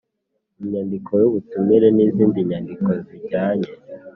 Inyandiko y ubutumire n izindi nyandiko zijyanye